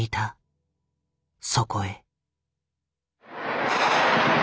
そこへ。